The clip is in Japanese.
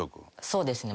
そうですね。